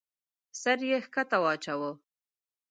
سر يې کښته واچاوه.